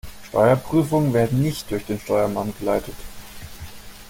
Steuerprüfungen werden nicht durch den Steuermann geleitet.